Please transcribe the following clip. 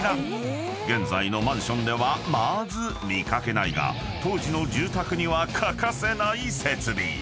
［現在のマンションではまず見掛けないが当時の住宅には欠かせない設備］